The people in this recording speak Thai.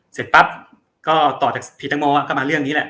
เสร็จปั๊บก็ต่อจากผีตังโมก็มาเรื่องนี้แหละ